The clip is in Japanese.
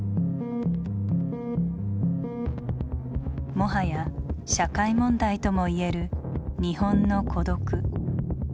もはや社会問題とも言える日本の「孤独」。